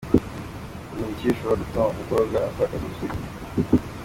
Ni ibiki bishobora gutuma umukobwa atakaza ubusugi